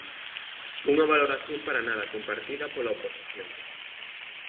Unha valoración para nada compartida pola oposición.